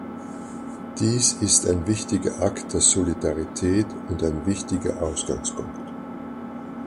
Dies ist ein wichtiger Akt der Solidarität und ein wichtiger Ausgangspunkt.